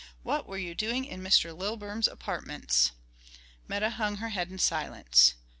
"What were you doing in Mr. Lilburn's apartments?" Meta hung her head in silence.